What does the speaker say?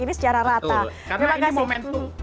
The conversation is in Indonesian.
ini secara rata karena ini momentum